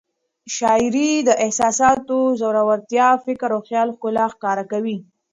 شاعري د احساساتو ژورتیا، فکر او خیال ښکلا ښکاره کوي.